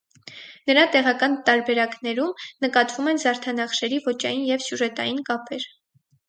Նրա տեղական տարբերակներում նկատվում են զարդանախշերի ոճային և սյուժետային կապեր։